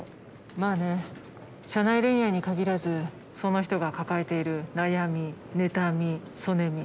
まぁね社内恋愛に限らずその人が抱えている悩みねたみそねみ。